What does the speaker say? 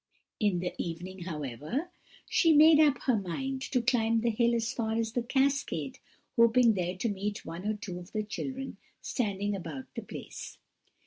"In the evening, however, she made up her mind to climb the hill as far as the cascade, hoping there to meet one or two of the children standing about the place.